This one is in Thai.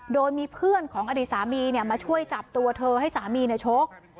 โดยมีเพื่อนของอดีตสามีมาช่วยจับตัวเธอให้สามีชก